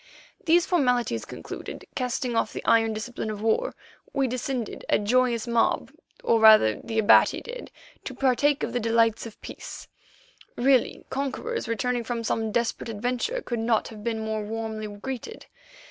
These formalities concluded, casting off the iron discipline of war, we descended a joyous mob, or rather the Abati did, to partake of the delights of peace. Really, conquerors returning from some desperate adventure could not have been more warmly greeted.